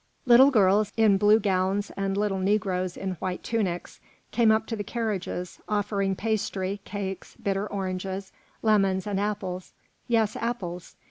Little girls in blue gowns and little negroes in white tunics came up to the carriages, offering pastry, cakes, bitter oranges, lemons, and apples, yes, apples.